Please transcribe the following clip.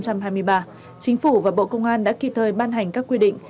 chính phủ và bộ công an đã kịp thời ban hành các quy định